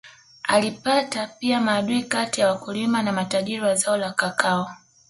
Alipata pia maadui kati ya wakulima na matajiri wa zao la kakao